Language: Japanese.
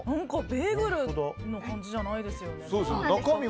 ベーグルの感じじゃないですよね。